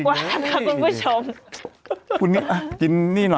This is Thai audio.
พักนัดหนึ่งดีกว่านะคุณผู้ชม